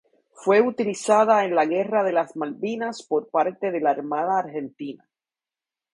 Fue utilizada en la Guerra de las Malvinas por parte de la Armada Argentina.